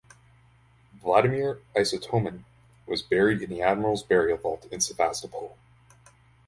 Vladimir Istomin was buried in the Admirals' Burial Vault in Sevastopol.